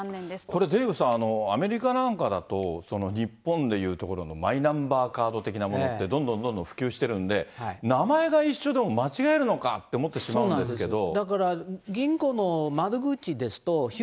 これ、デーブさん、アメリカなんかだと、日本でいうところのマイナンバーカード的なものって、どんどんどんどん普及してるんで、名前が一緒でも間違えるのかって思ってしまうんですけど。